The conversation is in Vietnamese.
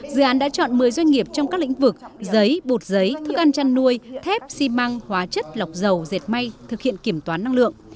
dự án đã chọn một mươi doanh nghiệp trong các lĩnh vực giấy bột giấy thức ăn chăn nuôi thép xi măng hóa chất lọc dầu dệt may thực hiện kiểm toán năng lượng